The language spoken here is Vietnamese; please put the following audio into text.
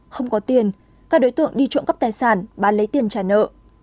không có tiền các đối tượng đi trộm cắp tài sản bán lấy tiền trả nợ